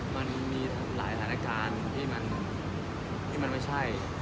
มันมีหลายสถานการณ์ที่มันไม่ใช่